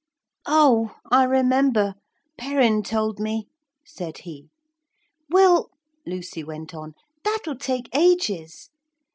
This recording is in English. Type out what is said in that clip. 'Oh! I remember, Perrin told me,' said he. 'Well,' Lucy went on, 'that'll take ages.